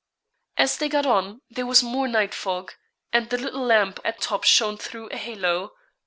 As they got on there was more night fog, and the little lamp at top shone through a halo.